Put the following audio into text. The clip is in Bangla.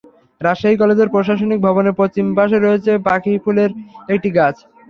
রাজশাহী কলেজের প্রশাসনিক ভবনের পশ্চিম পাশে রয়েছে পাখি ফুলের একটি গাছ।